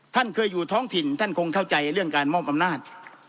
ท่านเคยอยู่ท้องถิ่นท่านคงเข้าใจเรื่องการมอบอำนาจ